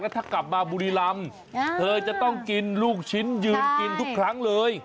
ถ้ากลับมาบุรีรำเธอจะต้องกินลูกชิ้นยืนกินทุกครั้งเลย